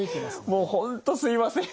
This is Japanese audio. もう本当すいません。